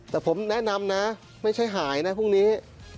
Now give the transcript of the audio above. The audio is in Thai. แต่ผมแนะนำนะไม่ใช่หายนะพรุ่งนี้